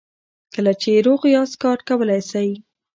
کله چې روغ یاست کار کولی شئ.